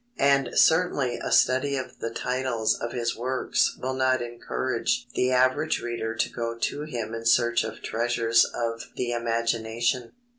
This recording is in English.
And certainly a study of the titles of his works will not encourage the average reader to go to him in search of treasures of the imagination.